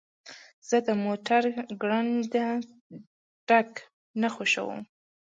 زه د موټر ګړندی تګ نه خوښوم.